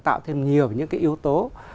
tạo thêm nhiều những yếu tố